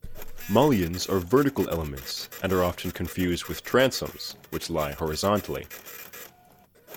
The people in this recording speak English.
Mullions are vertical elements and are often confused with transoms, which lie horizontally.